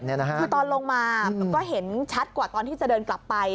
คือตอนลงมาก็เห็นชัดกว่าตอนที่จะเดินกลับไป